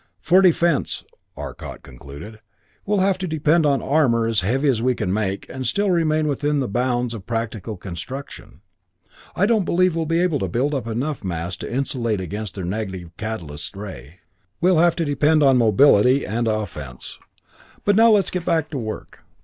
"For defense," Arcot concluded, "we'll have to depend on armor as heavy as we can make and still remain within the bounds of practical construction. I don't believe we'll be able to build up enough mass to insulate against their negative catalysis ray. We'll have to depend on mobility and offense. "But now let's get back to work.